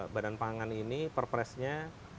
badan pangan ini perpresnya